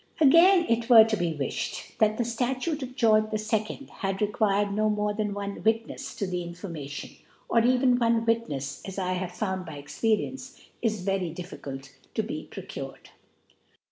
Again, it were to be wiflied, that the Statute of George II. had required no morte than one Witnefs to the Information : for .even one Witnefs, as I: have found by Ex :.pcrience, is very difficult to be procured.